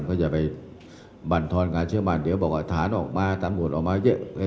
ก็จะไปบรรทนงานเชื้อมันเดี๋ยวบอกอ่ะทหารออกมาตามกรุณออกมาเยอะ